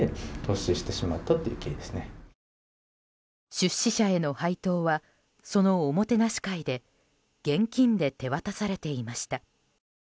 出資者への配当はそのおもてなし会で現金で手渡されていました。